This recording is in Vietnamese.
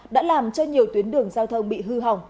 đã làm cho nhiều tuyến đường giao thông bị hư hỏng